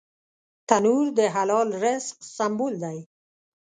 تنور د حلال رزق سمبول دی